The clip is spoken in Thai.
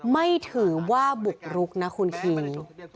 ไม่ถือว่าบุกรุกนะคุณคิง